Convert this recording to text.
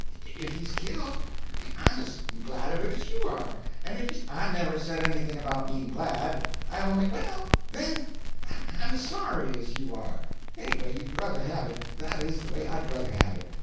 If he's killed, I'm as glad of it as you are; and if he—" "I never said anything about being glad; I only—" "Well, then, I'm as sorry as you are. Any way you druther have it, that is the way I druther have it.